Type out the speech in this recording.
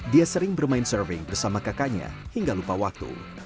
dia sering bermain surfing bersama kakaknya hingga lupa waktu